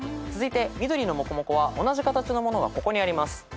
続いて緑のもこもこは同じ形のものがここにあります。